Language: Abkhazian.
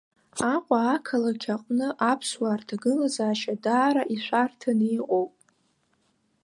Аҟәа ақалақь аҟны аԥсуаа рҭагылазаашьа даара ишәарҭаны иҟоуп.